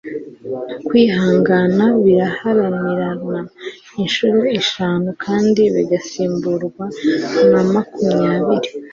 kwihangana birananirana inshuro eshanu kandi bigasimburwa na makumyabiri